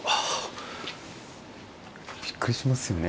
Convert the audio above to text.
びっくりしますよね。